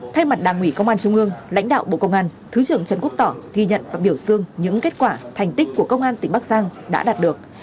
thay mặt đảng ủy công an trung ương lãnh đạo bộ công an thứ trưởng trần quốc tỏ ghi nhận và biểu dương những kết quả thành tích của công an tỉnh bắc giang đã đạt được